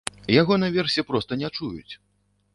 Яго наверсе проста не чуюць.